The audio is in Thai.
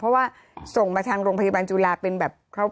เพราะว่าส่งมาทางโรงพยาบาลจุฬาฯ